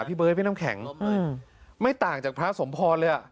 พี่เบิร์ดพี่น้ำแข็งไม่ต่างจากพระสมพรเลยอ่ะ